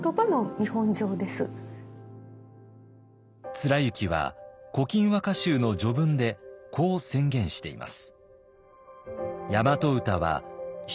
貫之は「古今和歌集」の序文でこう宣言しています。